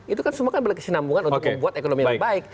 itu kan semua kan berkesinambungan untuk membuat ekonomi yang baik